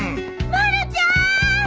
まるちゃん！